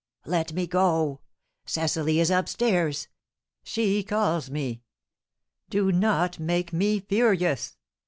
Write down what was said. "Let me go! Cecily is up stairs; she calls me. Do not make me furious!